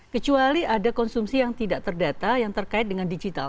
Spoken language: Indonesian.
kecuali ada konsumsi yang tidak terdata yang terkait dengan digital